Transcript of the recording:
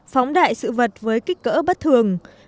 phóng đại sự vật với kích cỡ bất thường